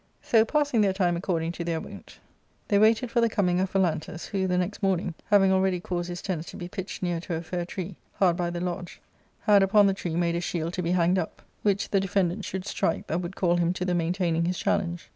So, passing their time according to their wont, they waited for the coming of Phalantus, who, the next morning, having already caused his tents to be pitched near to a fair tree, hard by the lodge, had upon the tree made a shield to be hanged up, 'which the defendant should strike that would call him to the maintaining his challenge.